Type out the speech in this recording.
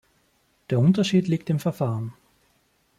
Der Unterschied liegt im Verfahren.